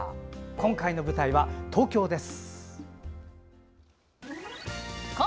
今回の舞台は東京です。